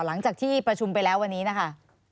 หลังจากที่ประชุมไปแล้ววันนี้นะคะ